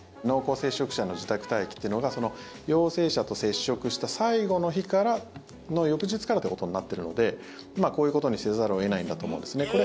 濃厚接触者の自宅待機というのが陽性者と接触した最後の日の翌日からということになってるのでこういうことにせざるを得ないんだと思うんですね。